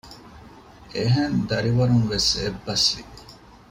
އެހެން ދަރިވަރުން ވެސް އެއްބަސްވި